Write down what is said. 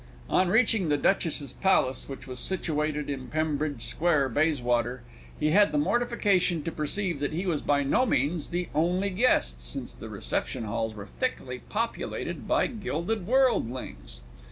On reaching the Duchess's palace, which was situated in Pembridge Square, Bayswater, he had the mortification to perceive that he was by no means the only guest, since the reception halls were thickly populated by gilded worldlings.